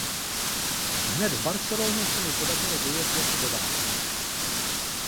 Hned v Barceloně se mu podařilo dojet jako devátý.